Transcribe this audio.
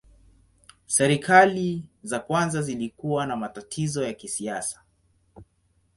Serikali za kwanza zilikuwa na matatizo ya kisiasa.